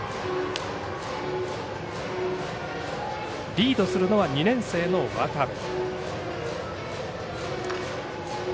リードするのは２年生の渡部。